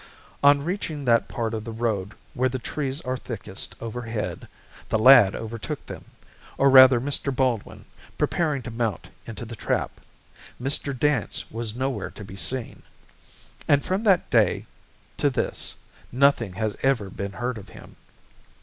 On reaching that part of the road where the trees are thickest overhead, the lad overtook them, or rather Mr. Baldwin, preparing to mount into the trap. Mr. Dance was nowhere to be seen. And from that day to this nothing has ever been heard of him.